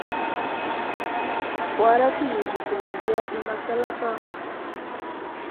Wara kəziziki məgiya i masalaka.